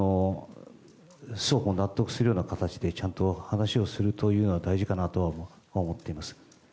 双方納得するような形でちゃんと話をするというのが大事かなとは思っています。